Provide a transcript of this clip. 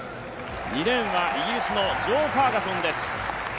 ２レーンはイギリスジョー・ファーガソンです。